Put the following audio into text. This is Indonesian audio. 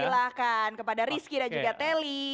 silahkan kepada rizky dan juga teli